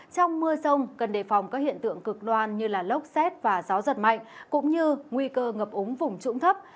trong mưa sông cần đề phòng các hiện tượng cực đoan như lốc xét và gió giật mạnh cũng như nguy cơ ngập ống vùng trũng thấp